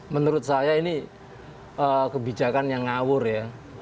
menurut saya ini kebijakan yang ngawur ya